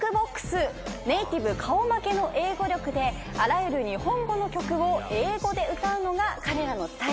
ネーティブ顔負けの英語力であらゆる日本語の曲を英語で歌うのが彼らのスタイル。